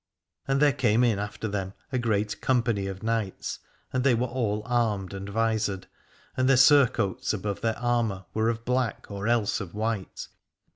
And there came in after them a great com pany of knights, and they were all armed and visored, and their surcoats above their armour were of black or else of white.